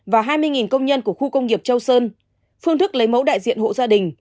và hai mươi công nhân của khu công nghiệp châu sơn phương thức lấy mẫu đại diện hộ gia đình